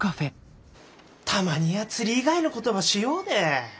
たまには釣り以外のことばしようで？